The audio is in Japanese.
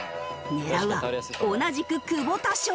狙うは同じく久保田賞。